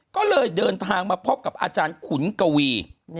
ก็เลยเดินทางมาพบกับอาจารย์ขุนกวี